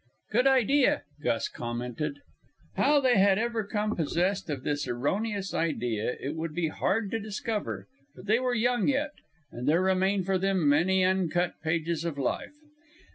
"Good idea," Gus commented. How they had ever come possessed of this erroneous idea, it would be hard to discover; but they were young yet, and there remained for them many uncut pages of life.